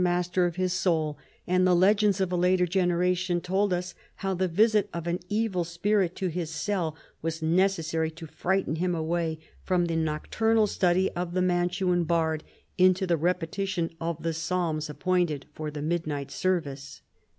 249 master of his soul, and the legends of a later genera tion told how the visit of an evil spirit to his cell Avas necessary to frighten him away from the nocturnal study of the Mantuan bard into the repetition of the Psalms appointed for the midnight service.